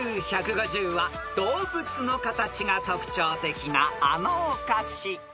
［ＩＱ１５０は動物の形が特徴的なあのお菓子］